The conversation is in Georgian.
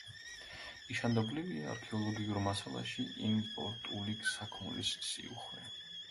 ნიშანდობლივია არქეოლოგიურ მასალაში იმპორტული საქონლის სიუხვე.